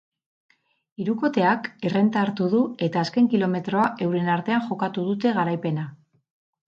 Hirukoteak errenta hartu du eta azken kilometroa euren artean jokatu dute garaipena.